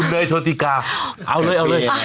คุณเนยโชติกาเอาเลย